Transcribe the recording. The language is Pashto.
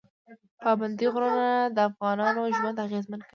پابندی غرونه د افغانانو ژوند اغېزمن کوي.